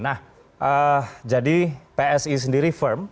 nah jadi psi sendiri firm